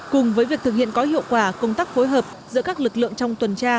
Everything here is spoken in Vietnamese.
cùng với việc thực hiện có hiệu quả công tác phối hợp giữa các lực lượng trong tuần tra